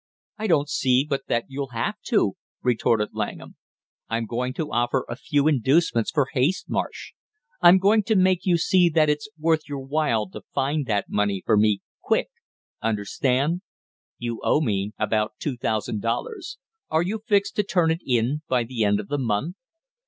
"I don't see but that you'll have to," retorted Langham. "I'm going to offer a few inducements for haste, Marsh. I'm going to make you see that it's worth your while to find that money for me quick, understand? You owe me about two thousand dollars; are you fixed to turn it in by the end of the month?"